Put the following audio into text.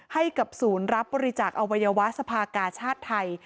ให้กับศูนย์รับบริจาคอวัยวะสภากาชาติไทย